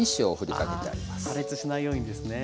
破裂しないようにですね。